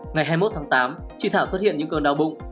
ngày hai mươi một tháng tám chị thảo xuất hiện những cơn đau bụng